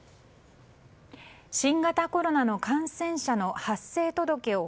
新型コロナの感染者の発生届を